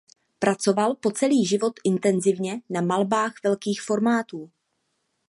Pracoval po celý život intenzivně na malbách velkých formátů.